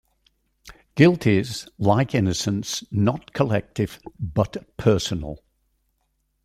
Guilt is, like innocence, not collective but personal.